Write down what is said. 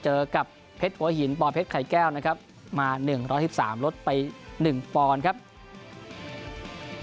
เจอกับเพชรหัวหินปลอดเพชรไข่แก้วมา๑๒๓ปอนดิ์ลดไป๑ปอนดิ์